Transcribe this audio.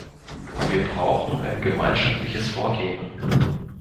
Wir brauchen ein gemeinschaftliches Vorgehen.